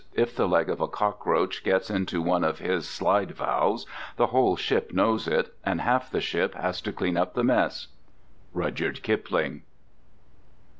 If the leg of a cockroach gets into one of his slide valves the whole ship knows it, and half the ship has to clean up the mess. —RUDYARD KIPLING.